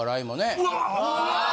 うわ！